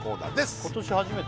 今年初めて？